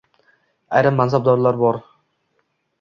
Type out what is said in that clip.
Ayrim mansabdorlar bor